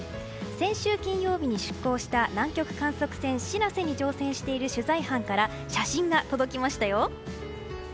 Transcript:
先週金曜日に出航した南極観測船「しらせ」に乗船している取材班から写真が届きましたよ。